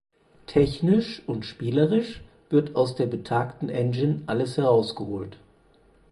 Technisch und spielerisch wird aus der betagten Engine alles herausgeholt.